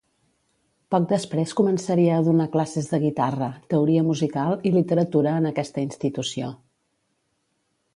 Poc després començaria a donar classes de guitarra, teoria musical i literatura en aquesta institució.